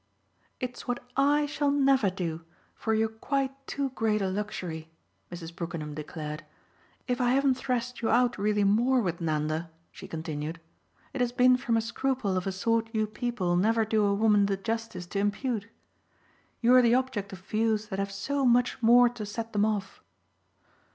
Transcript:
"It's what I shall never do, for you're quite too great a luxury!" Mrs. Brookenham declared. "If I haven't threshed you out really MORE with Nanda," she continued, "it has been from a scruple of a sort you people never do a woman the justice to impute. You're the object of views that have so much more to set them off."